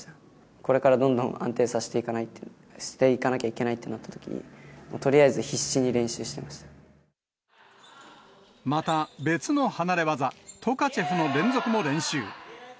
これからどんどん安定させていかなきゃいけないってなったときに、また別の離れ技、トカチェフの連続も練習。